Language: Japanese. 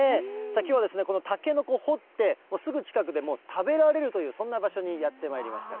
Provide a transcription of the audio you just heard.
きょうはですね、このタケノコを掘って、すぐ近くで食べられるという、そんな場所にやってまいりました。